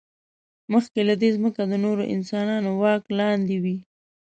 مخکې له دې، ځمکې د نورو انسانانو واک لاندې وې.